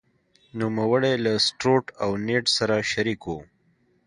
نوموړی له ستروټ او نیډ سره شریک شو.